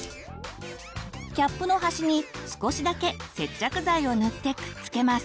キャップの端に少しだけ接着剤を塗ってくっつけます。